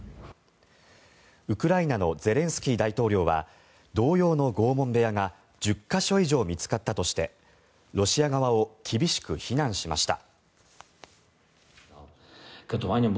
ウクライナのゼレンスキー大統領は同様の拷問部屋が１０か所以上見つかったとしてロシア側を厳しく非難しました。